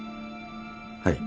はい。